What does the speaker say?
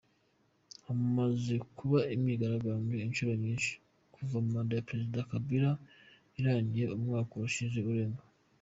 Hamaze kuba imyigaragambyo inshuro nyinshi kuva manda ya Perezida Kabila irangiye, umwaka urashize urenga.